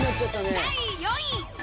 第４位。